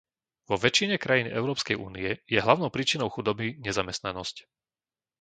Vo väčšine krajín Európskej únie je hlavnou príčinou chudoby nezamestnanosť.